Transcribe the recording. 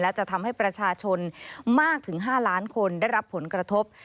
และจะทำให้ประชาชนมากถึง๕ล้านคนได้รับผลกระทบ